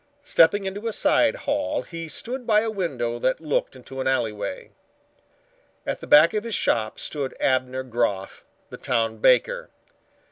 Stepping into a side hall he stood by a window that looked into an alleyway. At the back of his shop stood Abner Groff, the town baker.